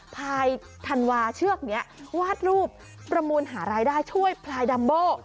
ภายธันวาเชือกนี้วาดรูปประมูลหารายได้ช่วยพลายดัมโบ